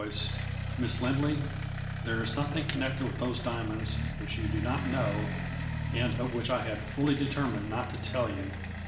voice, ' Miss Lindley, there is something con nected with those diamonds which you do not know and of which I had fully determined not to tell you.